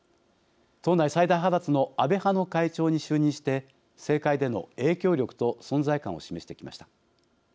党内最大派閥の安倍派の会長に就任して政界での影響力と存在感を示してきました。